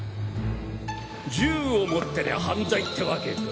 銃を持ってりゃ犯罪ってワケか。